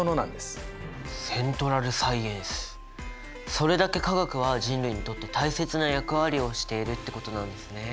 それだけ化学は人類にとって大切な役割をしているってことなんですね。